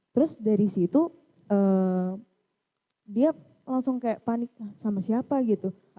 terus dari situ dia langsung kayak panik lah sama siapa gitu